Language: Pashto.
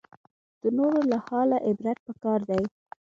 د نورو له حاله عبرت پکار دی